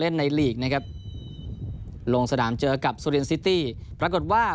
ในลีกนะครับลงสนามเจอกับสุรินซิตี้ปรากฏว่า